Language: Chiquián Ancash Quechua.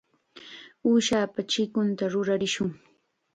Uushapa chikunta rurarishun.